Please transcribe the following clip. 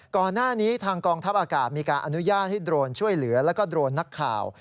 ก่อนหน้านี้ทางกองทัพอากาศมีการอนุญาตให้โดรนช่วยเหลือแล้วก็โดรนนักข่าว